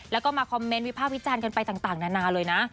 แล้วก็มาคอมเมนต์วิภาควิจารณ์กันไปต่างนานาเลยนะ